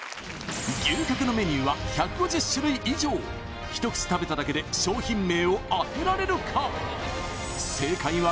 牛角のメニューは１５０種類以上一口食べただけで商品名を当てられるか？